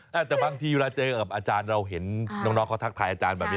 แต่บางทีเวลาเจอกับอาจารย์เราเห็นน้องเขาทักทายอาจารย์แบบนี้